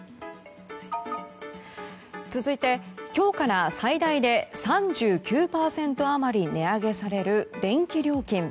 続いて、今日から最大で３９％余り値上げされる電気料金。